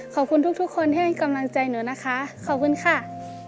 ขอบคุณทุกคนที่ให้กำลังใจหนูนะคะขอบคุณค่ะ